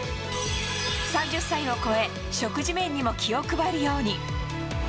３０歳を超え、食事面にも気を配るように。